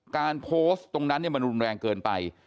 การโพสต์ตรงนั้นมันรุนแรงเกินไป